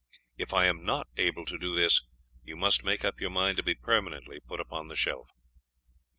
If I am not able to do this, you must make up your mind to be permanently put upon the shelf."